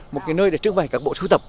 một cái nơi để trưng bày các bộ sưu tập